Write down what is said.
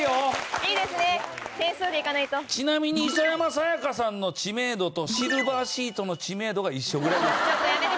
ちなみに磯山さやかさんの知名度とシルバーシートの知名度が一緒ぐらいです。